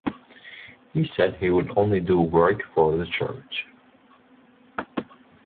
He said he would only do work for the church.